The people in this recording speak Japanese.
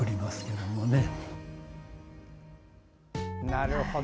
なるほど。